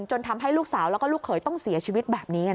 จนทำให้ลูกสาวแล้วก็ลูกเขยต้องเสียชีวิตแบบนี้